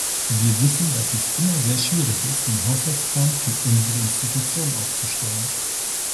Wir wissen, dass es immer sehr schwierig ist, den Haushaltsplan für unsere Institution aufzustellen.